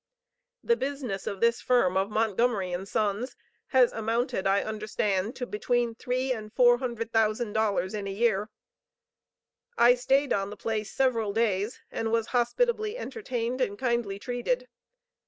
The business of this firm of Montgomery & Sons has amounted, I understand, to between three and four hundred thousand dollars in a year. I stayed on the place several days and was hospitably entertained and kindly treated.